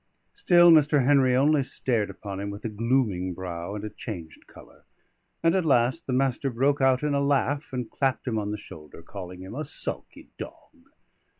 Still Mr. Henry only stared upon him with a glooming brow, and a changed colour; and at last the Master broke out in a laugh and clapped him on the shoulder, calling him a sulky dog.